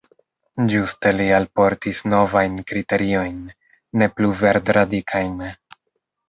Ĝuste li alportis novajn kriteriojn, ne plu verd-radikajn.